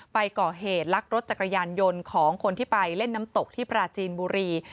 ไปก่อเหตุลักรถจักรยานยนต์ของคนที่ไปเล่นน้ำตกที่ปราจีนบุรี